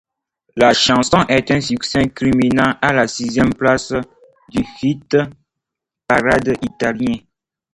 La chanson est un succès, culminant à la sixième place du hit-parade italien.